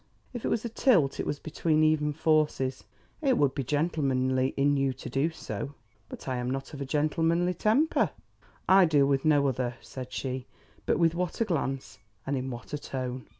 If it was a tilt, it was between even forces. "It would be gentlemanly in you to do so." "But I am not of a gentlemanly temper." "I deal with no other," said she; but with what a glance and in what a tone!